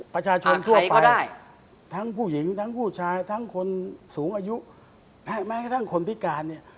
ประชาชนทั่วไปทั้งผู้หญิงทั้งผู้ชายทั้งคนสูงอายุแม้กระทั่งคนพิการเนี่ย